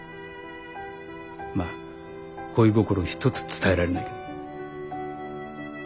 まあ恋心一つ伝えられないけど。